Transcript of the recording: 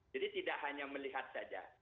jadi tidak hanya melihat saja